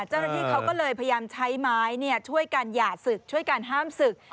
เจ้าหน้าที่เขาก็เลยพยายามใช้ไม้ช่วยกันหย่าศึกช่วยการห้ามศึก